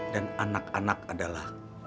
dan anak anak adalah